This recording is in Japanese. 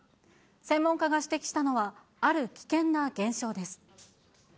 専門家が指摘したのは、ある危険な現象です。